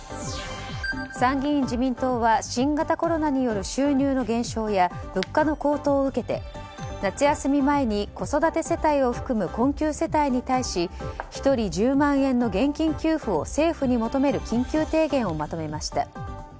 参議院自民党は新型コロナによる収入の減少や物価の高騰を受けて、夏休み前に子育て世帯を含む困窮世帯に対し１人１０万円の現金給付を政府に求める緊急提言をまとめました。